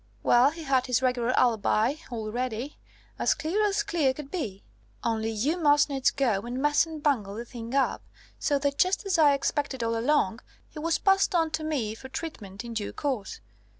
Well, he had his regular alibi all ready, as clear as clear could be; only you must needs go and mess and bungle the thing up, so that, just as I expected all along, he was passed on to me for treatment in due course.